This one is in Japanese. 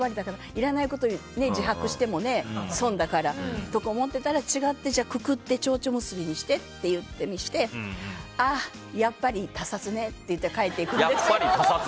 いらないことを自白しても損だからとか思ってたら違ってくくって、ちょうちょ結びにしてああ、やっぱり他殺ねって言って帰って行って。